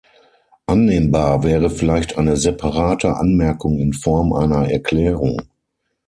Annehmbar wäre vielleicht eine separate Anmerkung in Form einer Erklärung.